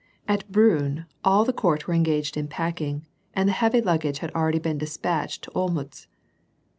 At Briinn, all the Court were engaged in packing, and the heavy luggage had already been despatched to Olmutz.